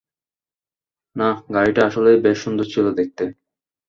না, গাড়িটা আসলেই বেশ সুন্দর ছিল দেখতে!